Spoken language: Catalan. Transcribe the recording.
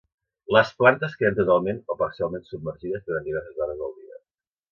Les plantes queden totalment o parcialment submergides durant diverses hores al dia.